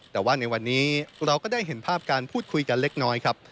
แต่ว่าในวันนี้เราก็ได้เห็นภาพการพูดคุยกันเล็กน้อยครับ